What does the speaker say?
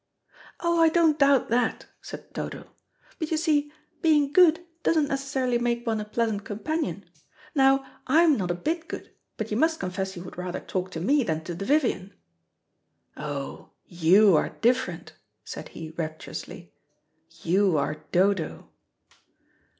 "Oh, I don't doubt that," said Dodo, "but, you see, being good doesn't necessarily make one a pleasant companion. Now, I'm not a bit good, but you must confess you would rather talk to me than to the Vivian." "Oh, you are different," said he rapturously. "You are Dodo."